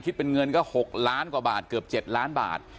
คิดเป็นเงินก็หกล้านกว่าบาทเกือบเจ็ดล้านบาท